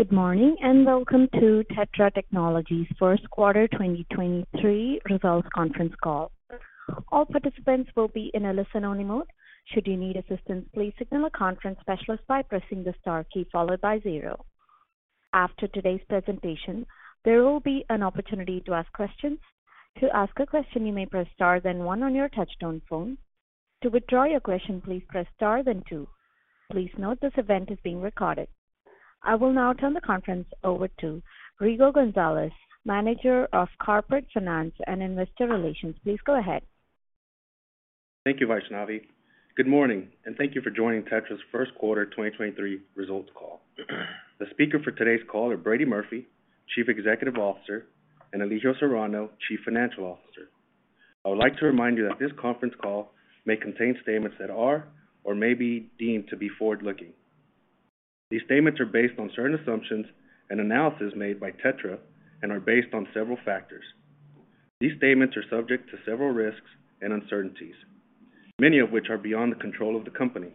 Good morning. Welcome to TETRA Technologies' first quarter 2023 results conference call. All participants will be in a listen-only mode. Should you need assistance, please signal a conference specialist by pressing the Star key followed by zero. After today's presentation, there will be an opportunity to ask questions. To ask a question, you may press Star then one on your touchtone phone. To withdraw your question, please press Star then two. Please note this event is being recorded. I will now turn the conference over to Rigo Gonzalez, Manager of Corporate Finance and Investor Relations. Please go ahead. Thank you, Vaishnavi. Good morning, thank you for joining TETRA's first quarter 2023 results call. The speaker for today's call are Brady Murphy, Chief Executive Officer, and Elijio Serrano, Chief Financial Officer. I would like to remind you that this conference call may contain statements that are or may be deemed to be forward-looking. These statements are based on certain assumptions and analysis made by TETRA and are based on several factors. These statements are subject to several risks and uncertainties, many of which are beyond the control of the company.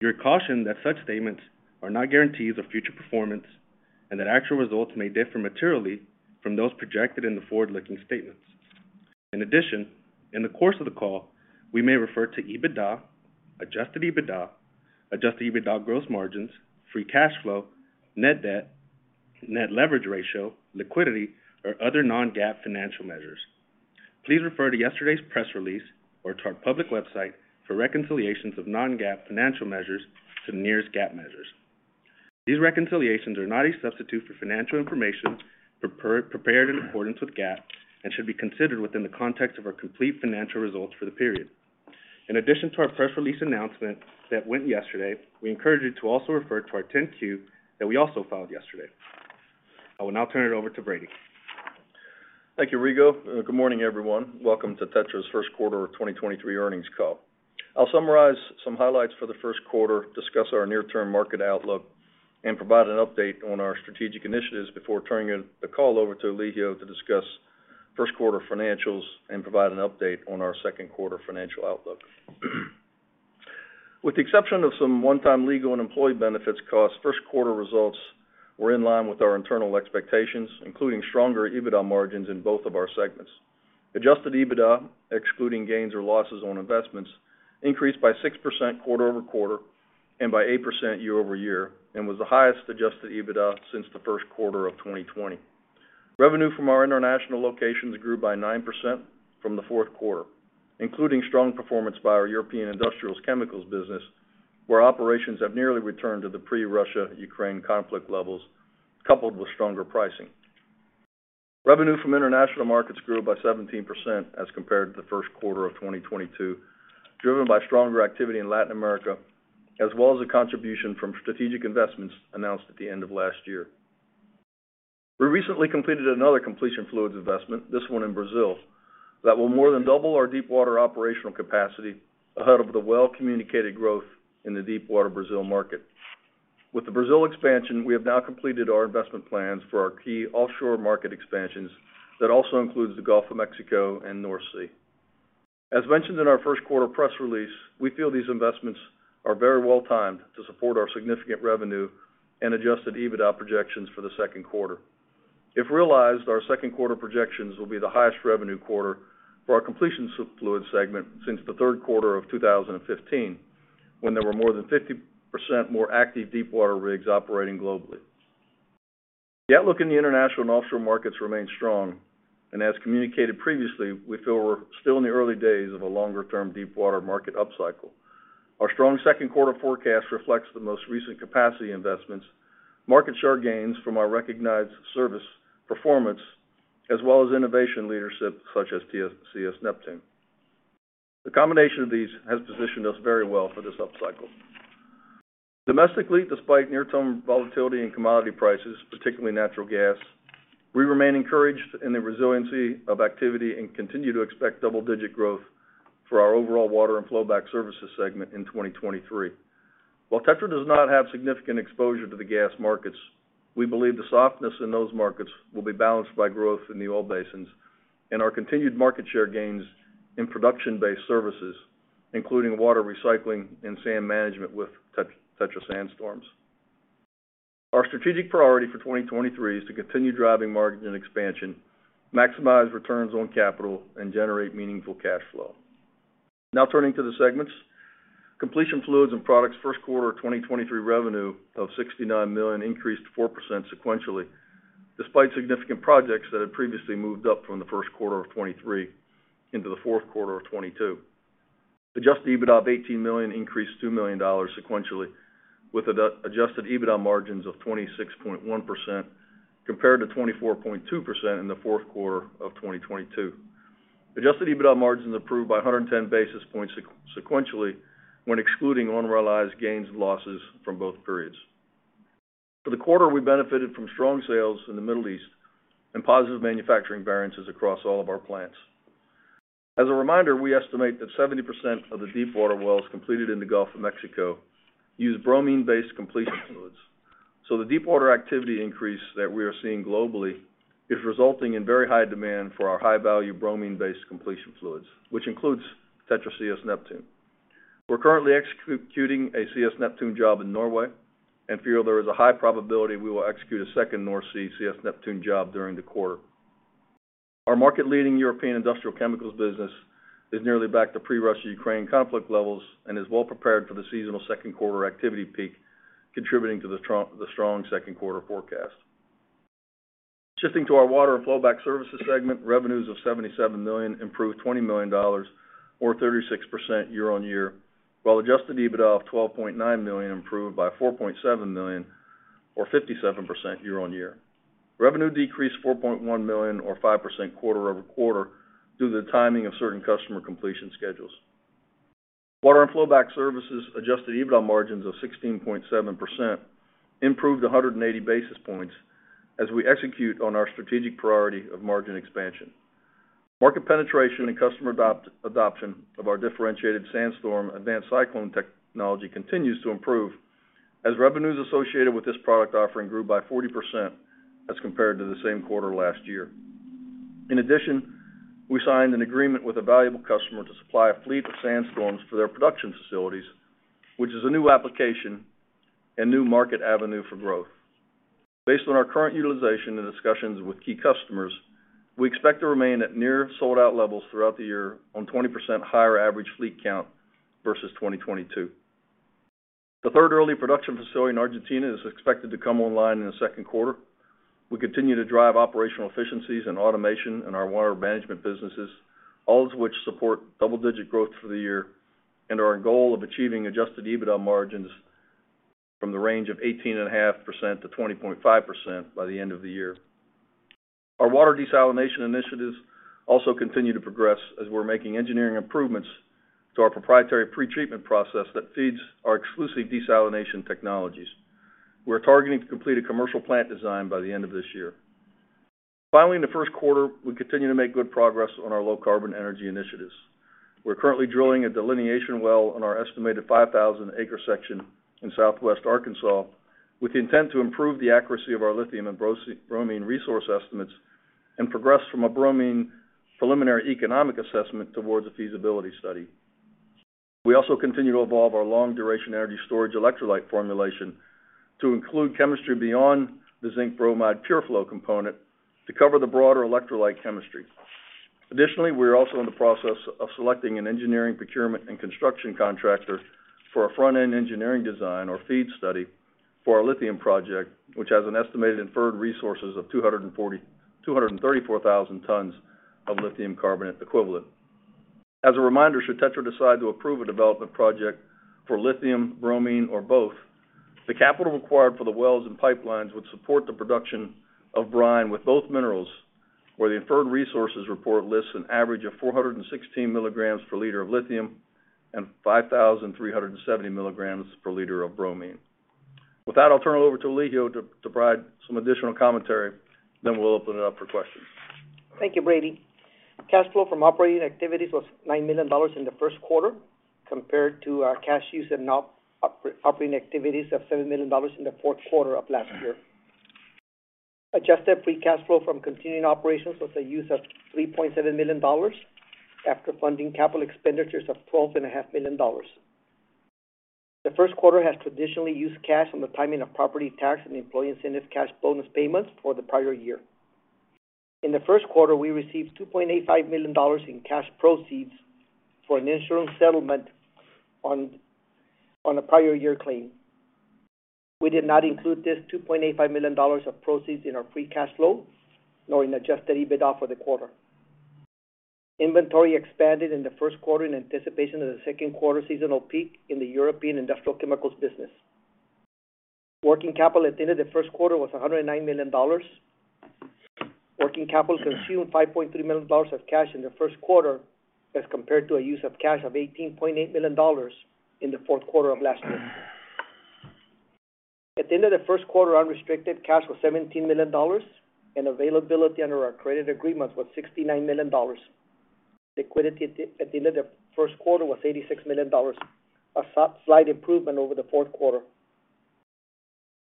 You are cautioned that such statements are not guarantees of future performance and that actual results may differ materially from those projected in the forward-looking statements. In addition, in the course of the call, we may refer to EBITDA, adjusted EBITDA, adjusted EBITDA gross margins, free cash flow, net debt, net leverage ratio, liquidity or other non-GAAP financial measures. Please refer to yesterday's press release or to our public website for reconciliations of non-GAAP financial measures to nearest GAAP measures. These reconciliations are not a substitute for financial information prepared in accordance with GAAP and should be considered within the context of our complete financial results for the period. In addition to our press release announcement that went yesterday, we encourage you to also refer to our 10-Q that we also filed yesterday. I will now turn it over to Brady. Thank you, Rigo. Good morning, everyone. Welcome to TETRA's first quarter of 2023 earnings call. I'll summarize some highlights for the first quarter, discuss our near-term market outlook, and provide an update on our strategic initiatives before turning the call over to Elijio to discuss first quarter financials and provide an update on our second quarter financial outlook. With the exception of some one-time legal and employee benefits costs, first quarter results were in line with our internal expectations, including stronger EBITDA margins in both of our segments. Adjusted EBITDA, excluding gains or losses on investments, increased by 6% quarter-over-quarter and by 8% year-over-year and was the highest adjusted EBITDA since the first quarter of 2020. Revenue from our international locations grew by 9% from the fourth quarter, including strong performance by our European industrial chemicals business, where operations have nearly returned to the pre-Russia/Ukraine conflict levels, coupled with stronger pricing. Revenue from international markets grew by 17% as compared to the first quarter of 2022, driven by stronger activity in Latin America, as well as a contribution from strategic investments announced at the end of last year. We recently completed another completion fluids investment, this one in Brazil, that will more than double our deep water operational capacity ahead of the well-communicated growth in the deep water Brazil market. With the Brazil expansion, we have now completed our investment plans for our key offshore market expansions that also includes the Gulf of Mexico and North Sea. As mentioned in our first quarter press release, we feel these investments are very well-timed to support our significant revenue and adjusted EBITDA projections for the second quarter. If realized, our second quarter projections will be the highest revenue quarter for our completion fluids segment since the third quarter of 2015, when there were more than 50% more active deepwater rigs operating globally. The outlook in the international and offshore markets remains strong. As communicated previously, we feel we're still in the early days of a longer-term deepwater market upcycle. Our strong second quarter forecast reflects the most recent capacity investments, market share gains from our recognized service performance, as well as innovation leadership such as TETRA CS Neptune. The combination of these has positioned us very well for this upcycle. Domestically, despite near-term volatility in commodity prices, particularly natural gas, we remain encouraged in the resiliency of activity and continue to expect double-digit growth for our overall water and flowback services segment in 2023. While TETRA does not have significant exposure to the gas markets, we believe the softness in those markets will be balanced by growth in the oil basins and our continued market share gains in production-based services, including water recycling and sand management with TETRA SandStorm. Our strategic priority for 2023 is to continue driving margin expansion, maximize returns on capital, and generate meaningful cash flow. Now turning to the segments. Completion fluids and products first quarter of 2023 revenue of $69 million increased 4% sequentially, despite significant projects that had previously moved up from the first quarter of 2023 into the fourth quarter of 2022. Adjusted EBITDA of $18 million increased $2 million sequentially, with adjusted EBITDA margins of 26.1% compared to 24.2% in the fourth quarter of 2022. Adjusted EBITDA margins improved by 110 basis points sequentially when excluding unrealized gains and losses from both periods. For the quarter, we benefited from strong sales in the Middle East and positive manufacturing variances across all of our plants. As a reminder, we estimate that 70% of the deepwater wells completed in the Gulf of Mexico use bromine-based completion fluids. The deepwater activity increase that we are seeing globally is resulting in very high demand for our high-value bromine-based completion fluids, which includes TETRA CS Neptune. We're currently executing a CS Neptune job in Norway and feel there is a high probability we will execute a second North Sea CS Neptune job during the quarter. Our market-leading European industrial chemicals business is nearly back to pre-Russia, Ukraine conflict levels and is well prepared for the seasonal second quarter activity peak, contributing to the strong second quarter forecast. Shifting to our water and flowback services segment, revenues of $77 million improved $20 million or 36% year-over-year, while adjusted EBITDA of $12.9 million improved by $4.7 million or 57% year-over-year. Revenue decreased $4.1 million or 5% quarter-over-quarter due to the timing of certain customer completion schedules. Water and flowback services adjusted EBITDA margins of 16.7% improved 180 basis points as we execute on our strategic priority of margin expansion. Market penetration and customer adoption of our differentiated SandStorm advanced cyclone technology continues to improve as revenues associated with this product offering grew by 40% as compared to the same quarter last year. We signed an agreement with a valuable customer to supply a fleet of SandStorms to their production facilities, which is a new application and new market avenue for growth. Based on our current utilization and discussions with key customers, we expect to remain at near sold-out levels throughout the year on 20% higher average fleet count versus 2022. The third early production facility in Argentina is expected to come online in the second quarter. We continue to drive operational efficiencies and automation in our water management businesses, all of which support double-digit growth for the year and our goal of achieving adjusted EBITDA margins from the range of 18.5%-20.5% by the end of the year. Our water desalination initiatives also continue to progress as we're making engineering improvements to our proprietary pre-treatment process that feeds our exclusive desalination technologies. We're targeting to complete a commercial plant design by the end of this year. Finally, in the first quarter, we continue to make good progress on our low carbon energy initiatives. We're currently drilling a delineation well on our estimated 5,000 acre section in Southwest Arkansas with the intent to improve the accuracy of our lithium and bromine resource estimates and progress from a bromine preliminary economic assessment towards a feasibility study. We also continue to evolve our long duration energy storage electrolyte formulation to include chemistry beyond the zinc bromide PureFlow component to cover the broader electrolyte chemistry. Additionally, we are also in the process of selecting an engineering procurement and construction contractor for a front-end engineering design or FEED study for our lithium project, which has an estimated inferred resources of 234,000 tons of lithium carbonate equivalent. As a reminder, should TETRA decide to approve a development project for lithium, bromine, or both, the capital required for the wells and pipelines would support the production of brine with both minerals, where the inferred resources report lists an average of 416 milligrams per liter of lithium and 5,370 milligrams per liter of bromine. With that, I'll turn it over to Ligio to provide some additional commentary. We'll open it up for questions. Thank you, Brady. Cash flow from operating activities was $9 million in the first quarter compared to our cash use and operating activities of $7 million in the fourth quarter of last year. Adjusted free cash flow from continuing operations was a use of $3.7 million after funding capital expenditures of twelve and a half million dollars. The first quarter has traditionally used cash on the timing of property tax and employee incentive cash bonus payments for the prior year. In the first quarter, we received $2.85 million in cash proceeds for an insurance settlement on a prior year claim. We did not include this $2.85 million of proceeds in our free cash flow nor in adjusted EBITDA for the quarter. Inventory expanded in the first quarter in anticipation of the second quarter seasonal peak in the European industrial chemicals business. Working capital at the end of the first quarter was $109 million. Working capital consumed $5.3 million of cash in the first quarter as compared to a use of cash of $18.8 million in the fourth quarter of last year. At the end of the first quarter, unrestricted cash was $17 million, and availability under our credit agreements was $69 million. Liquidity at the end of the first quarter was $86 million, a slight improvement over the fourth quarter.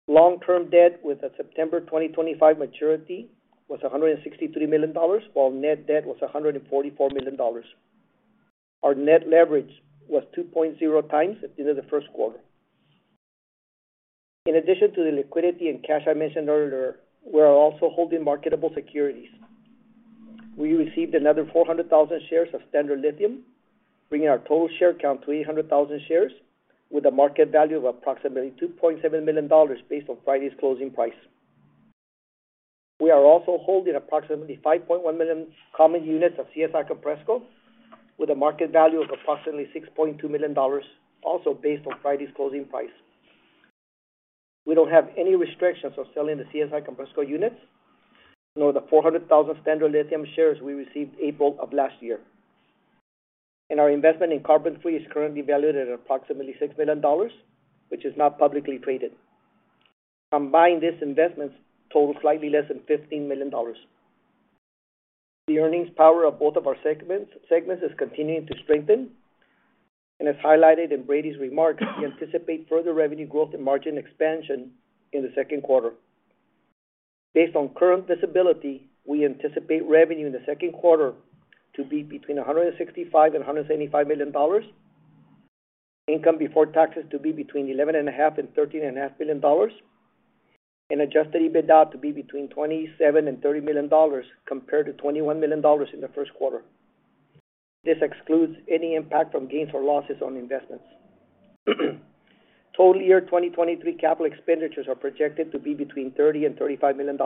Long-term debt with a September 2025 maturity was $163 million, while net debt was $144 million. Our net leverage was 2.0 times at the end of the first quarter. In addition to the liquidity and cash I mentioned earlier, we are also holding marketable securities. We received another 400,000 shares of Standard Lithium, bringing our total share count to 800,000 shares with a market value of approximately $2.7 million based on Friday's closing price. We are also holding approximately 5.1 million common units of CSI Compressco, with a market value of approximately $6.2 million, also based on Friday's closing price. We don't have any restrictions on selling the CSI Compressco units nor the 400,000 Standard Lithium shares we received April of last year. Our investment in CarbonFree is currently valued at approximately $6 million, which is not publicly traded. Combined, these investments total slightly less than $15 million. The earnings power of both of our segments is continuing to strengthen. As highlighted in Brady's remarks, we anticipate further revenue growth and margin expansion in the second quarter. Based on current visibility, we anticipate revenue in the second quarter to be between $165 million and $175 million. Income before taxes to be between $11.5 million and $13.5 million. Adjusted EBITDA to be between $27 million and $30 million compared to $21 million in the first quarter. This excludes any impact from gains or losses on investments. Total year 2023 capital expenditures are projected to be between $30 million and $35 million.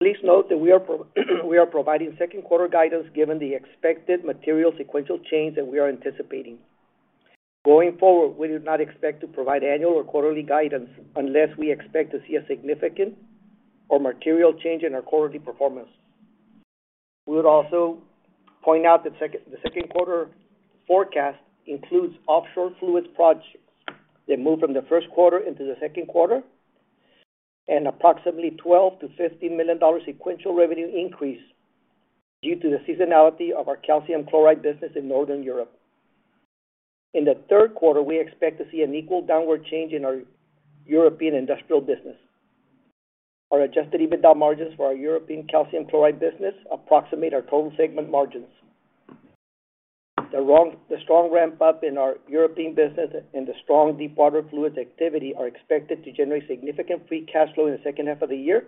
Please note that we are providing second quarter guidance given the expected material sequential change that we are anticipating. Going forward, we do not expect to provide annual or quarterly guidance unless we expect to see a significant or material change in our quarterly performance. We would also point out that the second quarter forecast includes offshore fluids projects that moved from the first quarter into the second quarter. Approximately $12 million-$15 million sequential revenue increase due to the seasonality of our calcium chloride business in Northern Europe. In the third quarter, we expect to see an equal downward change in our European industrial business. Our adjusted EBITDA margins for our European calcium chloride business approximate our total segment margins. The strong ramp-up in our European business and the strong deep water fluids activity are expected to generate significant free cash flow in the second half of the year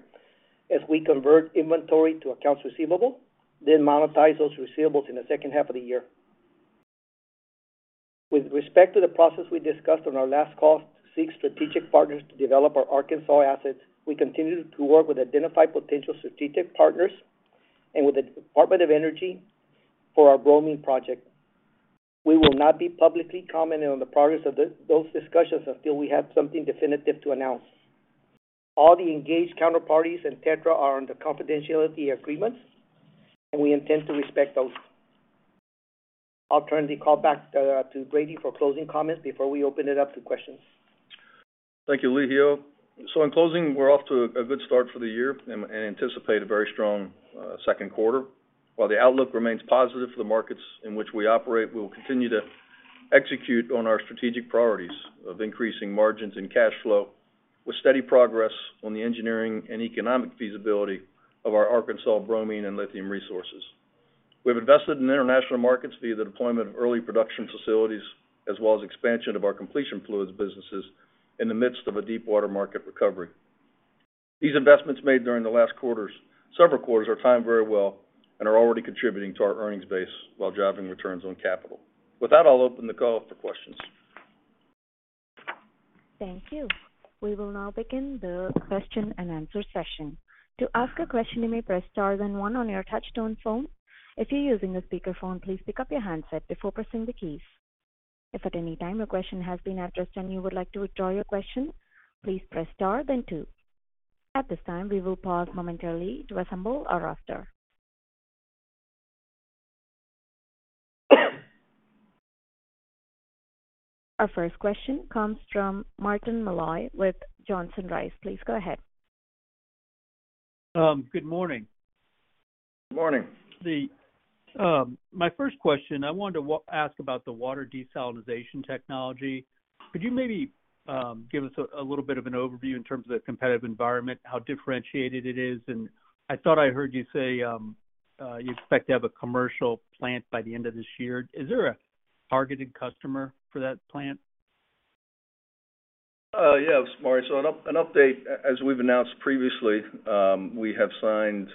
as we convert inventory to accounts receivable, then monetize those receivables in the second half of the year. With respect to the process we discussed on our last call to seek strategic partners to develop our Arkansas assets, we continue to work with identified potential strategic partners and with the Department of Energy for our bromine project. We will not be publicly commenting on the progress of those discussions until we have something definitive to announce. All the engaged counterparties and TETRA are under confidentiality agreements, and we intend to respect those. I'll turn the call back to Brady for closing comments before we open it up to questions. Thank you, Ligio. In closing, we're off to a good start for the year and anticipate a very strong second quarter. While the outlook remains positive for the markets in which we operate, we will continue to execute on our strategic priorities of increasing margins and cash flow with steady progress on the engineering and economic feasibility of our Arkansas bromine and lithium resources. We've invested in international markets via the deployment of early production facilities, as well as expansion of our completion fluids businesses in the midst of a deepwater market recovery. These investments made during the last several quarters are timed very well and are already contributing to our earnings base while driving returns on capital. With that, I'll open the call for questions. Thank you. We will now begin the question and answer session. To ask a question, you may press Star then one on your touch-tone phone. If you're using a speaker phone, please pick up your handset before pressing the keys. If at any time your question has been addressed and you would like to withdraw your question, please press Star then two. At this time, we will pause momentarily to assemble our roster. Our first question comes from Martin Malloy with Johnson Rice. Please go ahead. Good morning. Morning. The my first question, I wanted to ask about the water desalinization technology. Could you maybe give us a little bit of an overview in terms of the competitive environment, how differentiated it is? I thought I heard you say you expect to have a commercial plant by the end of this year. Is there a targeted customer for that plant? Yeah, Marty. An update, as we've announced previously, we have signed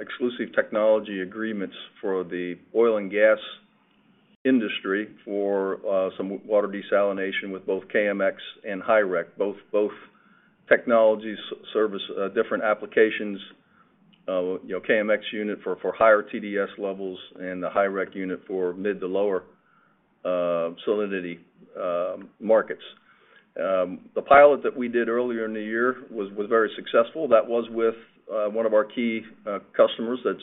exclusive technology agreements for the oil and gas industry for some water desalination with both KMX and Hyrec. Both technologies service different applications. You know, KMX unit for higher TDS levels and the Hyrec unit for mid to lower salinity markets. The pilot that we did earlier in the year was very successful. That was with one of our key customers that's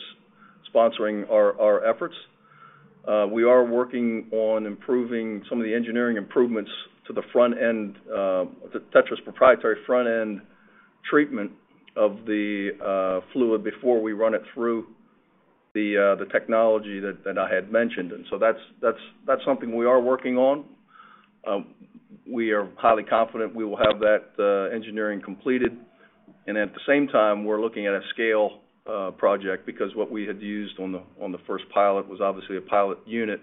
sponsoring our efforts. We are working on improving some of the engineering improvements to the front end, TETRA's proprietary front-end treatment of the fluid before we run it through the technology that I had mentioned. That's something we are working on. We are highly confident we will have that engineering completed. At the same time, we're looking at a scale project because what we had used on the first pilot was obviously a pilot unit.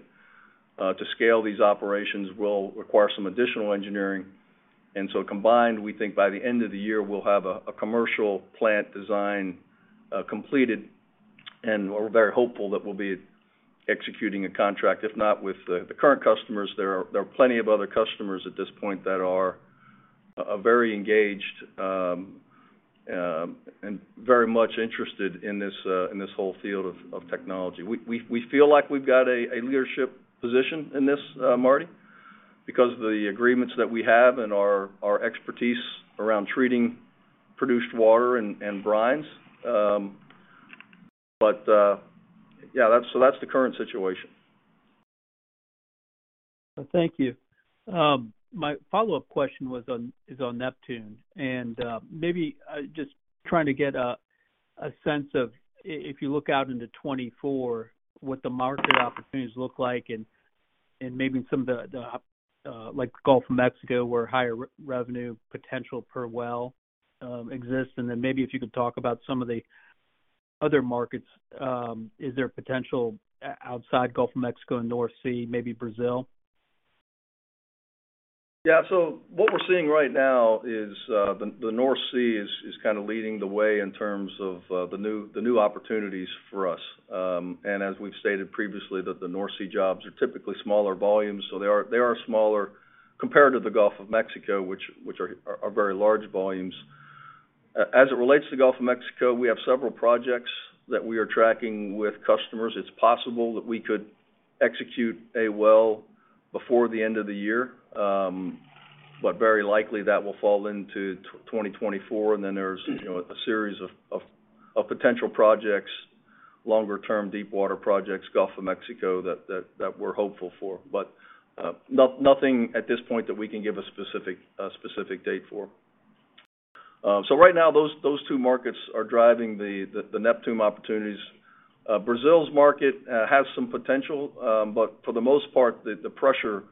To scale these operations will require some additional engineering. Combined, we think by the end of the year, we'll have a commercial plant design completed. We're very hopeful that we'll be executing a contract, if not with the current customers. There are plenty of other customers at this point that are very engaged and very much interested in this whole field of technology. We feel like we've got a leadership position in this, Marty, because the agreements that we have and our expertise around treating produced water and brines. Yeah, that's the current situation. Thank you. My follow-up question is on Neptune. Maybe, just trying to get a sense of if you look out into 2024, what the market opportunities look like and. Maybe some of the, like Gulf of Mexico, where higher revenue potential per well exists. Then maybe if you could talk about some of the other markets, is there potential outside Gulf of Mexico and North Sea, maybe Brazil? What we're seeing right now is, the North Sea is kind of leading the way in terms of the new opportunities for us. As we've stated previously, that the North Sea jobs are typically smaller volumes, so they are smaller compared to the Gulf of Mexico, which are very large volumes. As it relates to Gulf of Mexico, we have several projects that we are tracking with customers. It's possible that we could execute a well before the end of the year. Very likely that will fall into 2024. Then there's, you know, a series of potential projects, longer-term deepwater projects, Gulf of Mexico that we're hopeful for. Nothing at this point that we can give a specific date for. Right now, those two markets are driving the TETRA CS Neptune opportunities. Brazil's market has some potential, for the most part, the pressure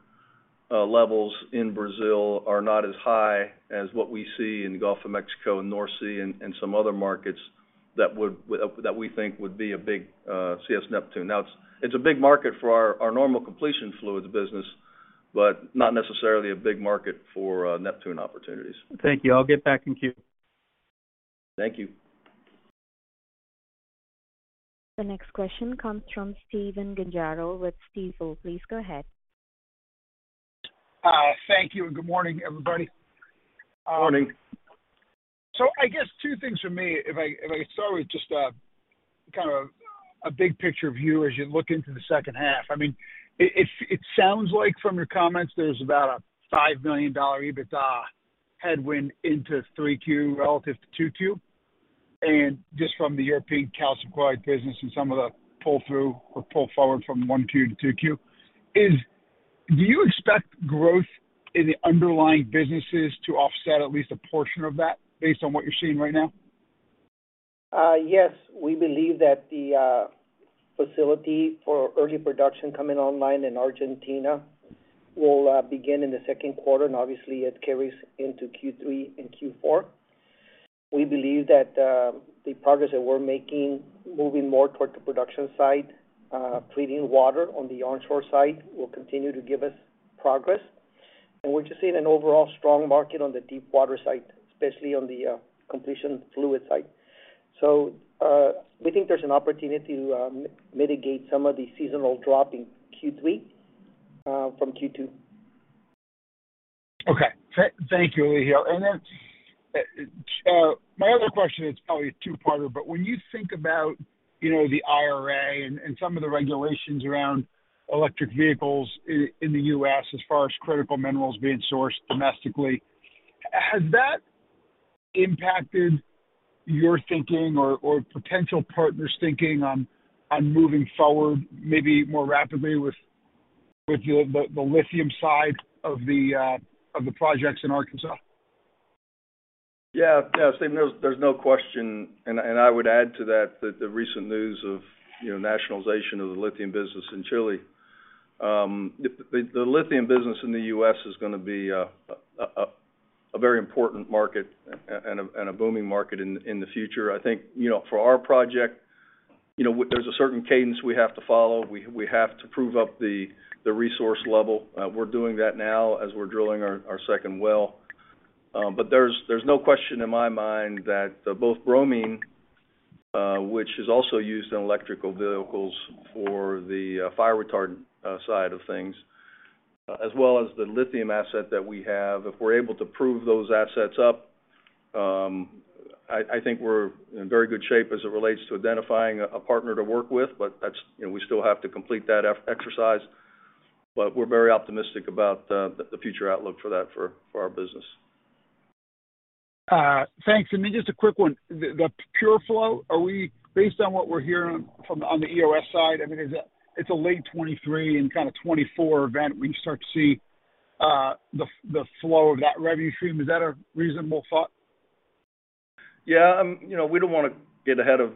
levels in Brazil are not as high as what we see in Gulf of Mexico and North Sea and some other markets that we think would be a big TETRA CS Neptune. It is a big market for our normal completion fluids business, but not necessarily a big market for TETRA CS Neptune opportunities. Thank you. I'll get back in queue. Thank you. The next question comes from Stephen Gengaro with Stifel. Please go ahead. Thank you, and good morning, everybody. Morning. I guess two things for me, if I start with just a kind of a big picture view as you look into the second half. I mean, it sounds like from your comments, there's about a $5 million EBITDA headwind into 3Q relative to 2Q. Just from the European calcium chloride business and some of the pull-through or pull forward from 1Q to 2Q. Do you expect growth in the underlying businesses to offset at least a portion of that based on what you're seeing right now? Yes. We believe that the facility for early production coming online in Argentina will begin in the second quarter, and obviously it carries into Q3 and Q4. We believe that the progress that we're making moving more toward the production side, treating water on the onshore side will continue to give us progress. We're just seeing an overall strong market on the deepwater side, especially on the completion fluid side. We think there's an opportunity to mitigate some of the seasonal drop in Q3 from Q2. Okay. Thank you, Elijio. My other question is probably a two-parter, but when you think about, you know, the IRA and some of the regulations around electric vehicles in the U.S. as far as critical minerals being sourced domestically, has that impacted your thinking or potential partners thinking on moving forward maybe more rapidly with the lithium side of the projects in Arkansas? Yeah. Stephen, there's no question. I would add to that the recent news of, you know, nationalization of the lithium business in Chile. The lithium business in the U.S. is gonna be a very important market and a booming market in the future. I think, you know, for our project, you know, there's a certain cadence we have to follow. We have to prove up the resource level. We're doing that now as we're drilling our second well. There's no question in my mind that both bromine, which is also used in electrical vehicles for the fire retardant side of things, as well as the lithium asset that we have. If we're able to prove those assets up, I think we're in very good shape as it relates to identifying a partner to work with. You know, we still have to complete that exercise, but we're very optimistic about the future outlook for that for our business. Thanks. Then just a quick one. The PureFlow, based on what we're hearing from on the EOS side, I mean, it's a late 2023 and kind of 2024 event, we start to see the flow of that revenue stream. Is that a reasonable thought? Yeah, you know, we don't wanna get ahead of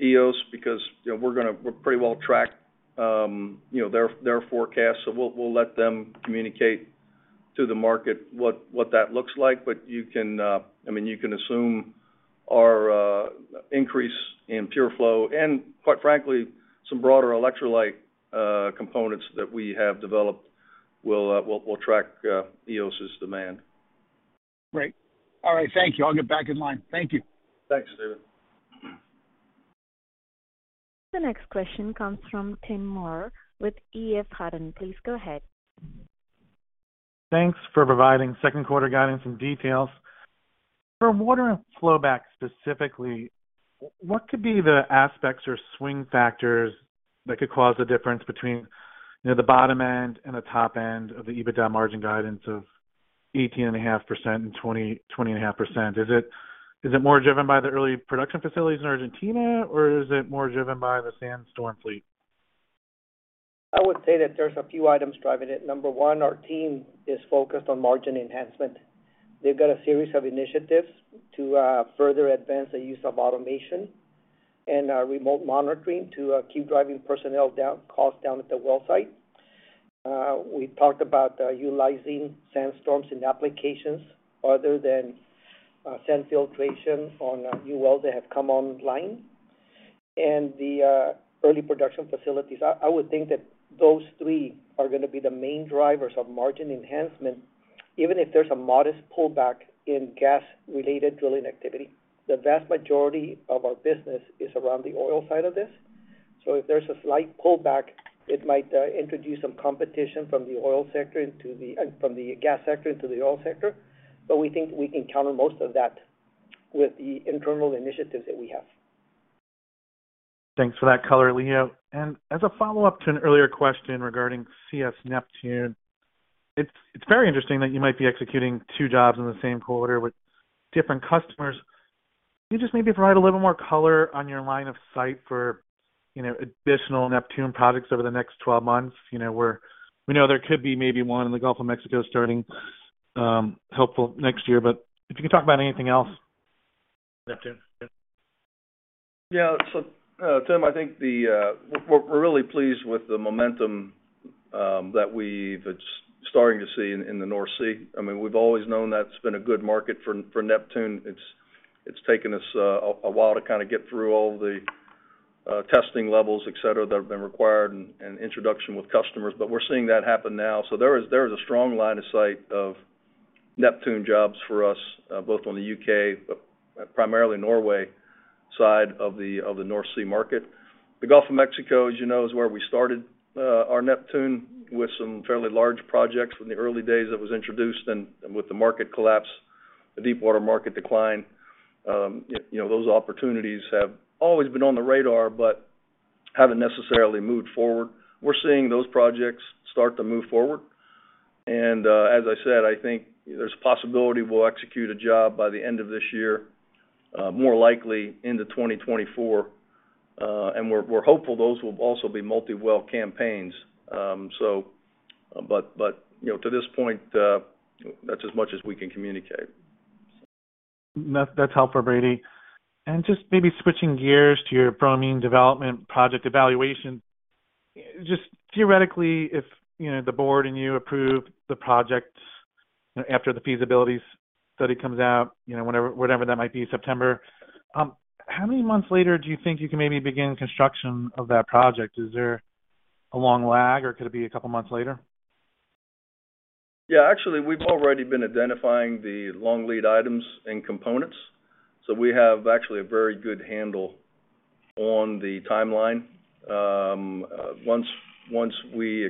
EOS because, you know, we pretty well track, you know, their forecast. We'll let them communicate to the market what that looks like. You can, I mean, you can assume our increase in PureFlow and quite frankly, some broader electrolyte components that we have developed will track EOS's demand. Great. All right. Thank you. I'll get back in line. Thank you. Thanks, Stephen. The next question comes from Tim Moore with EF Hutton. Please go ahead. Thanks for providing second quarter guidance and details. For water and flowback specifically, what could be the aspects or swing factors that could cause the difference between, you know, the bottom end and the top end of the EBITDA margin guidance of 18.5% and 20.5%? Is it more driven by the early production facilities in Argentina, or is it more driven by the SandStorm fleet? I would say that there's a few items driving it. Number one, our team is focused on margin enhancement. They've got a series of initiatives to further advance the use of automation. And our remote monitoring to keep driving costs down at the well site. We talked about utilizing SandStorm in applications other than sand filtration on new wells that have come online. The early production facilities. I would think that those three are gonna be the main drivers of margin enhancement, even if there's a modest pullback in gas-related drilling activity. The vast majority of our business is around the oil side of this. If there's a slight pullback, it might introduce some competition from the gas sector into the oil sector. We think we can counter most of that with the internal initiatives that we have. Thanks for that color, Elijio. As a follow-up to an earlier question regarding TETRA CS Neptune, it's very interesting that you might be executing two jobs in the same quarter with different customers. Can you just maybe provide a little more color on your line of sight for, you know, additional Neptune projects over the next 12 months? You know, where we know there could be maybe one in the Gulf of Mexico starting, hopefully next year. If you can talk about anything else, Neptune. Tim, I think the we're really pleased with the momentum that's starting to see in the North Sea. I mean, we've always known that's been a good market for Neptune. It's taken us a while to kinda get through all the testing levels, et cetera, that have been required and introduction with customers. We're seeing that happen now. There is a strong line of sight of Neptune jobs for us, both on the U.K., but primarily Norway side of the North Sea market. The Gulf of Mexico, as you know, is where we started our Neptune with some fairly large projects in the early days that was introduced. With the market collapse, the deepwater market decline, you know, those opportunities have always been on the radar, but haven't necessarily moved forward. We're seeing those projects start to move forward. As I said, I think there's a possibility we'll execute a job by the end of this year, more likely into 2024. We're hopeful those will also be multi-well campaigns. You know, to this point, that's as much as we can communicate. That's helpful, Brady. Just maybe switching gears to your bromine development project evaluation. Just theoretically, if, you know, the board and you approve the project after the feasibility study comes out, you know, whenever that might be, September, how many months later do you think you can maybe begin construction of that project? Is there a long lag, or could it be a couple of months later? Actually, we've already been identifying the long lead items and components. We have actually a very good handle on the timeline. Once we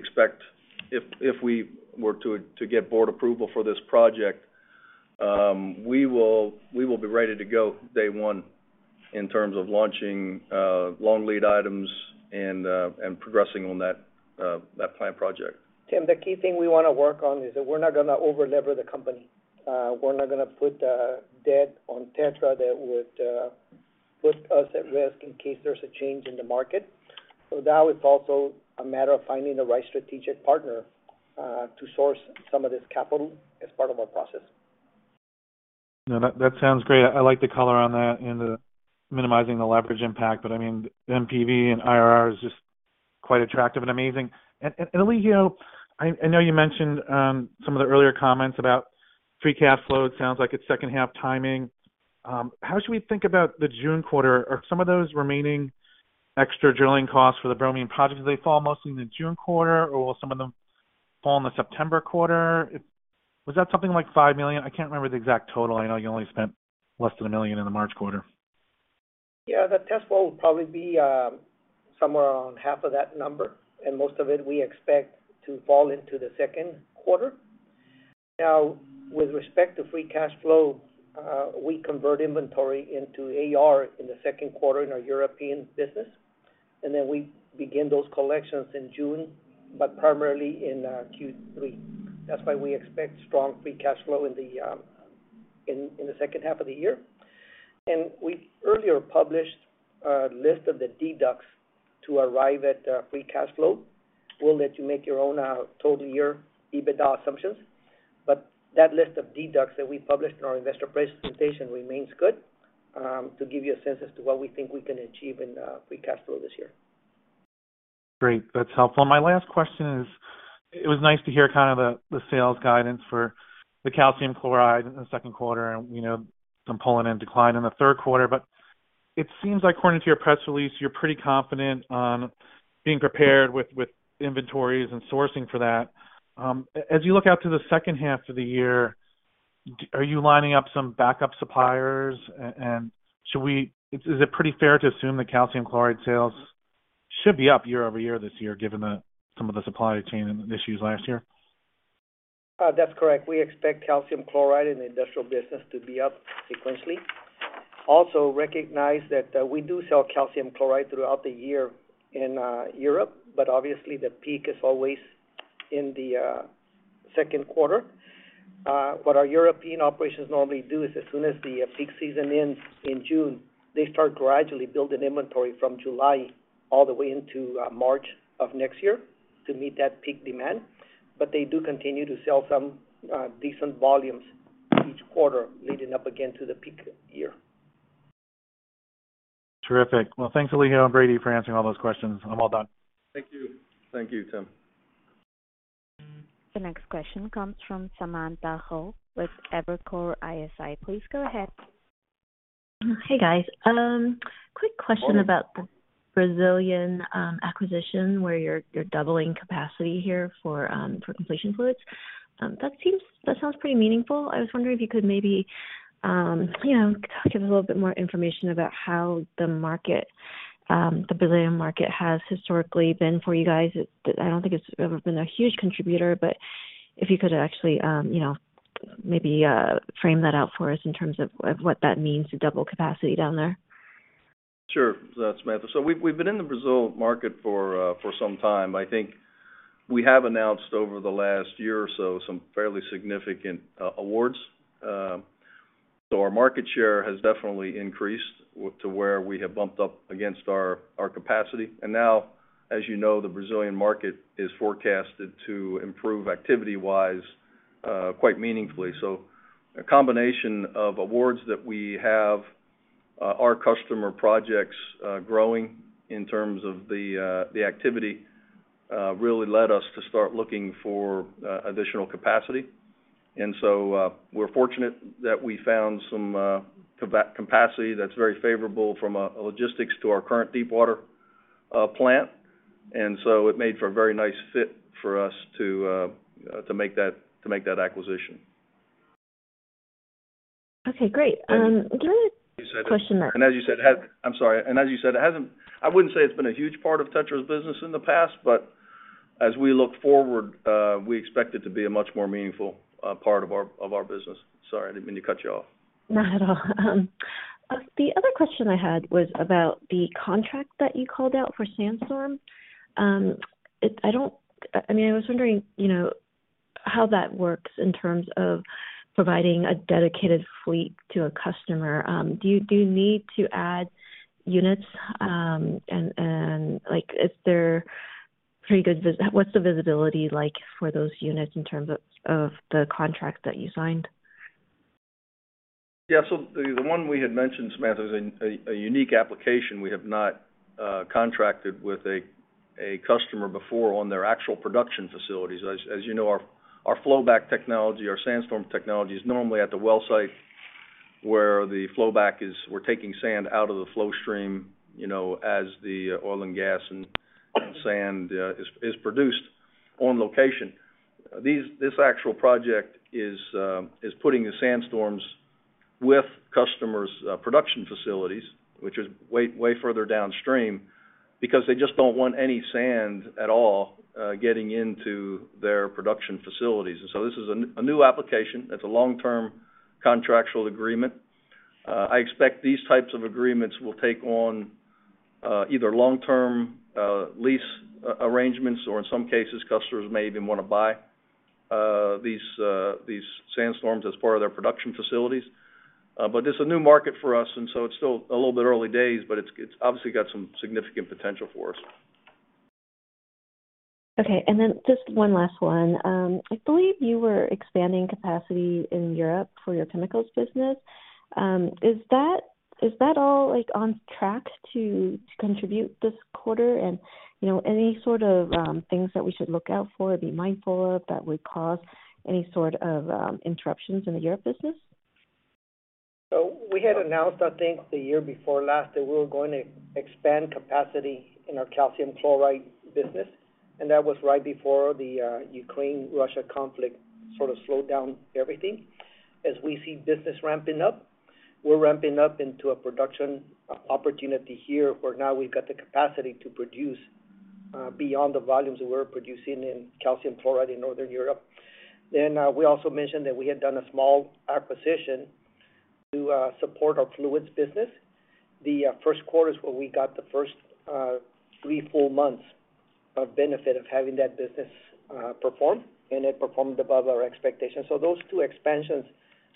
were to get board approval for this project, we will be ready to go day one in terms of launching long lead items and progressing on that planned project Tim, the key thing we wanna work on is that we're not gonna over-lever the company. We're not gonna put debt on TETRA that would put us at risk in case there's a change in the market. That is also a matter of finding the right strategic partner to source some of this capital as part of our process. No, that sounds great. I like the color on that and the minimizing the leverage impact. I mean, NPV and IRR is just quite attractive and amazing. Elijio, I know you mentioned some of the earlier comments about free cash flow. It sounds like it's second half timing. How should we think about the June quarter? Are some of those remaining extra drilling costs for the bromine project, do they fall mostly in the June quarter, or will some of them fall in the September quarter? Was that something like $5 million? I can't remember the exact total. I know you only spent less than $1 million in the March quarter. Yeah, the test flow will probably be somewhere around half of that number. Most of it we expect to fall into the second quarter. With respect to free cash flow, we convert inventory into AR in the second quarter in our European business. We begin those collections in June. Primarily in Q3. That's why we expect strong free cash flow in the second half of the year. We earlier published a list of the deducts to arrive at free cash flow. We'll let you make your own total year EBITDA assumptions. That list of deducts that we published in our investor presentation remains good to give you a sense as to what we think we can achieve in free cash flow this year. Great. That's helpful. My last question is, it was nice to hear kind of the sales guidance for the calcium chloride in the second quarter and, you know, some pull-in and decline in the third quarter. It seems like according to your press release, you're pretty confident on being prepared with inventories and sourcing for that. As you look out to the second half of the year, are you lining up some backup suppliers? Is it pretty fair to assume the calcium chloride sales should be up year-over-year this year, given some of the supply chain issues last year? That's correct. We expect calcium chloride in the industrial business to be up sequentially. Recognize that, we do sell calcium chloride throughout the year in Europe, but obviously the peak is always in the second quarter. What our European operations normally do is as soon as the peak season ends in June, they start gradually building inventory from July all the way into March of next year to meet that peak demand. They do continue to sell some decent volumes each quarter leading up again to the peak year. Terrific. Well, thanks, Elijio and Brady for answering all those questions. I'm all done. Thank you. Thank you, Tim. The next question comes from Samantha Hoh with Evercore ISI. Please go ahead. Hey, guys. quick question about the Brazilian acquisition where you're doubling capacity here for completion fluids. That sounds pretty meaningful. I was wondering if you could maybe, you know, give a little bit more information about how the market, the Brazilian market has historically been for you guys. I don't think it's ever been a huge contributor, but if you could actually, you know, maybe frame that out for us in terms of what that means to double capacity down there. Sure, Samantha. We've been in the Brazil market for some time. I think we have announced over the last year or so some fairly significant awards. Our market share has definitely increased to where we have bumped up against our capacity. Now, as you know, the Brazilian market is forecasted to improve activity-wise, quite meaningfully. A combination of awards that we have, our customer projects, growing in terms of the activity, really led us to start looking for additional capacity. We're fortunate that we found some capacity that's very favorable from logistics to our current deep water plant. It made for a very nice fit for us to make that acquisition. Okay, great. Can I question? I'm sorry. I wouldn't say it's been a huge part of TETRA's business in the past, as we look forward, we expect it to be a much more meaningful part of our business. Sorry, I didn't mean to cut you off. Not at all. The other question I had was about the contract that you called out for SandStorm. I mean, I was wondering, you know, how that works in terms of providing a dedicated fleet to a customer. Do you need to add units? Like, what's the visibility like for those units in terms of the contract that you signed? Yeah. The one we had mentioned, Samantha, is a unique application. We have not contracted with a customer before on their actual production facilities. As you know, our flowback technology, our SandStorm technology is normally at the well site where the flowback is we're taking sand out of the flow stream, you know, as the oil and gas and sand is produced on location. This actual project is putting the SandStorms with customers' production facilities, which is way further downstream, because they just don't want any sand at all getting into their production facilities. This is a new application. It's a long-term contractual agreement. I expect these types of agreements will take on either long-term lease arrangements or in some cases, customers may even wanna buy these SandStorms as part of their production facilities. This is a new market for us and so it's still a little bit early days, but it's obviously got some significant potential for us. Okay. Just one last one. I believe you were expanding capacity in Europe for your chemicals business. Is that all, like, on track to contribute this quarter? You know, any sort of things that we should look out for, be mindful of that would cause any sort of interruptions in the Europe business? We had announced, I think the year before last that we were going to expand capacity in our calcium chloride business, and that was right before the Ukraine-Russia conflict sort of slowed down everything. We see business ramping up, we're ramping up into a production opportunity here, where now we've got the capacity to produce beyond the volumes that we're producing in calcium chloride in Northern Europe. We also mentioned that we had done a small acquisition to support our fluids business. The first quarter is where we got the first three full months of benefit of having that business perform, and it performed above our expectations. Those two expansions,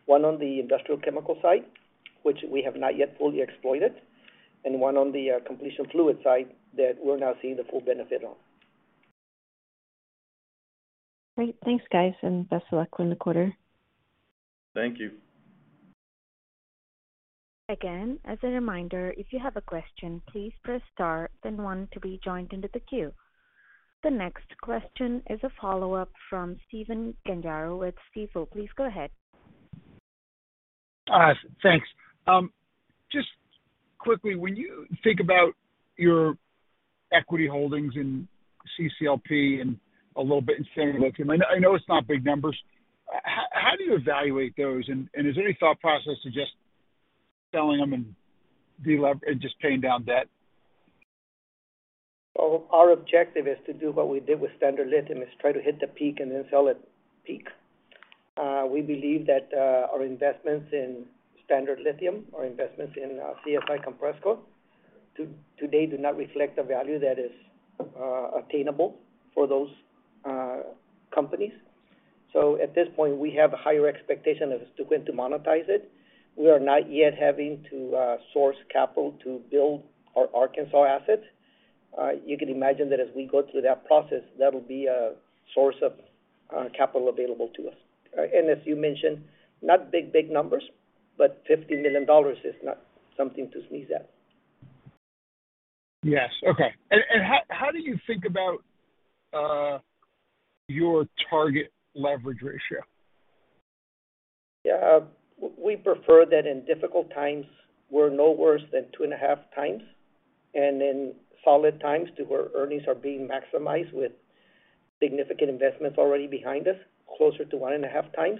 one on the industrial chemical side, which we have not yet fully exploited, and one on the completion fluid side that we're now seeing the full benefit on. Great. Thanks, guys, and best of luck in the quarter. Thank you. As a reminder, if you have a question, please press star then one to be joined into the queue. The next question is a follow-up from Stephen Gengaro with Stifel. Please go ahead. Thanks. Just quickly, when you think about your equity holdings in CCLP and a little bit in Standard Lithium, I know it's not big numbers. How do you evaluate those? Is there any thought process to just selling them and just paying down debt? Our objective is to do what we did with Standard Lithium, is try to hit the peak and then sell at peak. We believe that our investments in Standard Lithium, our investments in CSI Compressco today do not reflect the value that is attainable for those companies. At this point, we have a higher expectation as to when to monetize it. We are not yet having to source capital to build our Arkansas assets. You can imagine that as we go through that process, that'll be a source of capital available to us. As you mentioned, not big numbers, but $50 million is not something to sneeze at. Yes. Okay. And how do you think about your target leverage ratio? Yeah. We prefer that in difficult times we're no worse than 2.5x, and in solid times to where earnings are being maximized with significant investments already behind us, closer to 1.5x.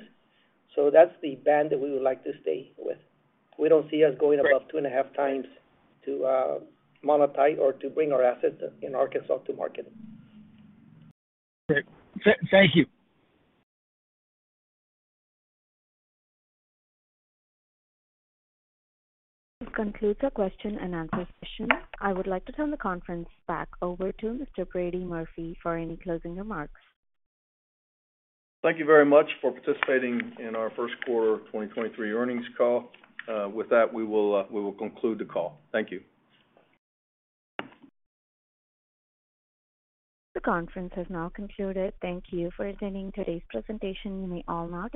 That's the band that we would like to stay with. We don't see us going above 2.5x to monetize or to bring our assets in Arkansas to market. Okay. Thank you. This concludes the question and answer session. I would like to turn the conference back over to Mr. Brady Murphy for any closing remarks. Thank you very much for participating in our first quarter 2023 earnings call. With that, we will conclude the call. Thank you. The conference has now concluded. Thank you for attending today's presentation. You may all now disconnect.